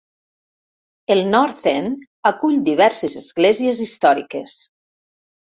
El North End acull diverses esglésies històriques.